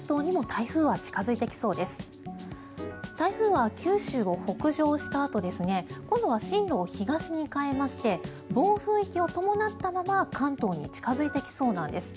台風は九州を北上したあと今度は進路を東に変えまして暴風域を伴ったまま関東に近付いてきそうなんです。